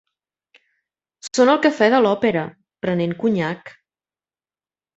Són al Cafè de l'Òpera, prenent conyac.